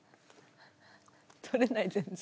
取れない全然。